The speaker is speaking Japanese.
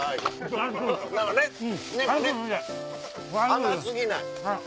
甘過ぎない。